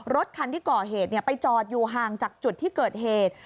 รถคันที่ก่อเหตุไปจอดอยู่ห่างจากจุดที่เกิดเหตุ